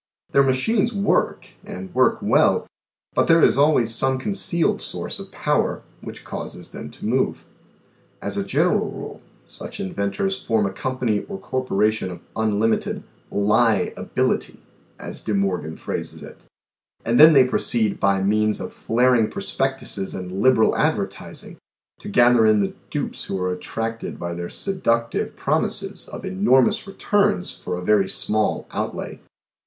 Their machines work, and work well, but there is always some concealed source of power, which causes them to move. As a general rule, such inventors form a company or corporation of unlimited " lie ability," as De Morgan phrases it, and then they proceed by means of flaring prospectuses and liberal advertising, to gather in the dupes who are attracted by their seductive promises of enormous returns for a very small outlay.